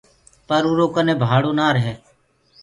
پر اُرو ڪني ڀآڙو نآ رهي۔